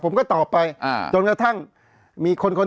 เพราะฉะนั้นประชาธิปไตยเนี่ยคือการยอมรับความเห็นที่แตกต่าง